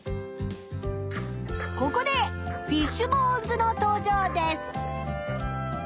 ここでフィッシュ・ボーン図の登場です。